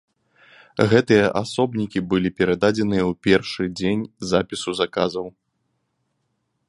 Гэтыя асобнікі былі прададзеныя ў першы дзень запісу заказаў.